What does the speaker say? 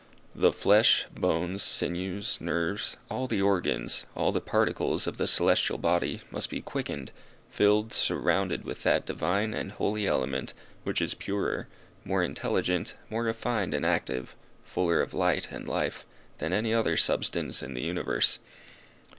The flesh, bones, sinews, nerves all the organs all the particles of the celestial body, must be quickened, filled, surrounded with that divine and holy element, which is purer, more intelligent, more refined and active, fuller of light and life, than any other substance in the universe.